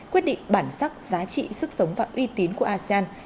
quyết định bản sắc giá trị sức sống và uy tín của asean